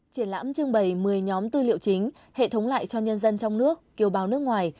triển lãm trưng bày một mươi nhóm tư liệu chính hệ thống lại cho nhân dân trong nước kiều bào nước ngoài